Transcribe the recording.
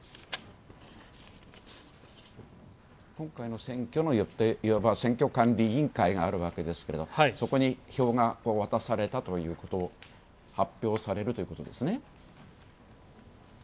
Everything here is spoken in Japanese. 今回の選挙のいわば選挙管理委員会があるわけですけれど、そこに票が渡されたということ、発表されるということですね。